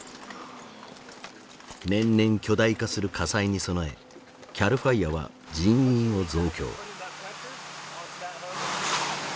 年々巨大化する火災に備えＣＡＬＦＩＲＥは人員を増強。